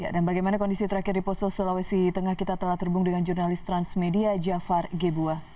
dan bagaimana kondisi terakhir di poso sulawesi tengah kita telah terhubung dengan jurnalis transmedia jafar gebuah